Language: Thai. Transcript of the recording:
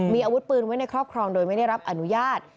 มีอาวุธปืนไว้ในครอบครองโดยไม่ได้รับอนุญาต